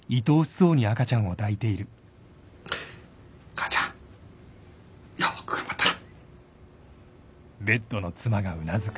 母ちゃんよく頑張ったな。